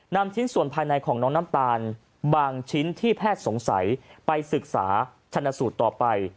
นำชิ้นส่วนภายในของน้องน้ำตาลบางชิ้นที่แพทย์สงสัยไปศึกษาชนสูตรต่อไป